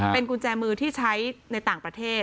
เป็นกุญแจมือที่ใช้ในต่างประเทศ